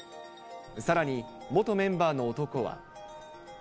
さらに、元メンバーの男は。